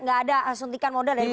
gak ada suntikan modal dari pengusaha